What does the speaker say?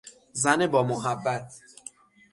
زن با محبت